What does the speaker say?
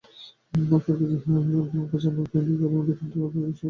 তাঁর কাজ গোল বাঁচানো কিন্তু ইতালিয়ান ডিফেন্ডারকে পেয়ে বসল গোল করার নেশায়।